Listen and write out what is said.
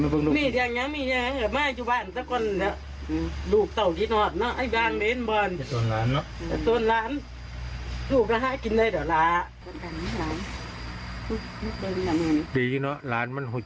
พระเจ้าพระเจ้าแต่ว่าหู้นี่